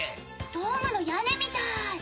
ドームの屋根みたい。